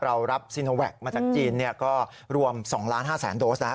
เรารับซีโนแวคมาจากจีนก็รวม๒๕๐๐๐โดสแล้ว